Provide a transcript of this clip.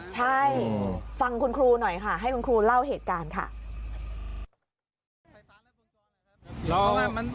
ใช่ฟังคุณครูหน่อยค่ะให้คุณครูเล่าเหตุการณ์ค่ะ